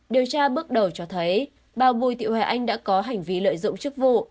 điều tra bước đầu cho thấy bà bùi thị hoài anh đã có hành ví lợi dụng chức vụ